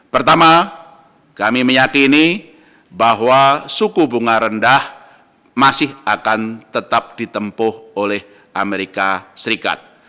pertama kami meyakini bahwa suku bunga rendah masih akan tetap ditempuh oleh amerika serikat